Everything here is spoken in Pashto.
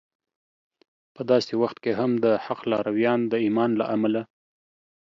په داسې وخت کې هم د حق لارویان د ایمان له امله